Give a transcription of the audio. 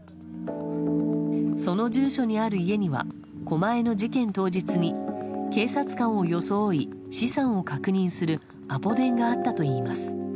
その住所にある家には狛江の事件当日に警察官を装い、資産を確認するアポ電があったといいます。